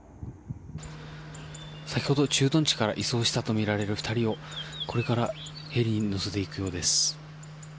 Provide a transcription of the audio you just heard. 先ほど駐屯地から移送したとみられる２人を、これからヘリに乗せていくようです。